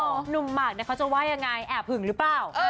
หนุ่มหมากเนี่ยเขาจะว่ายังไงแอบหึงหรือเปล่า